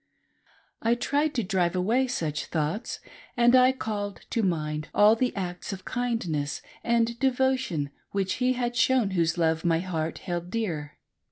I tried to drive away such thoughts, and I called to mind all the acts of kindness and devotion which he had shown whose love my heart held dear.